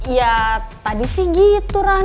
ya tadi sih gitu kan